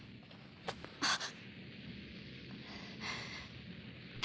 あっ！